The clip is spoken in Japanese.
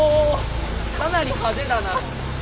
かなり派手だな！